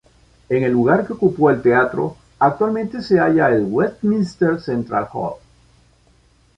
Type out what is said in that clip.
En el lugar que ocupó el teatro actualmente se halla el Westminster Central Hall.